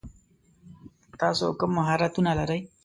تاسو کوم مهارتونه لری ؟